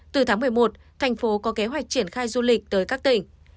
từ tháng một mươi một thành phố có kế hoạch triển khai du lịch tới các tỉnh